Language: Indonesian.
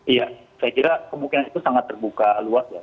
iya saya kira kemungkinan itu sangat terbuka luas ya